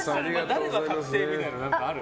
誰か確定みたいなのある？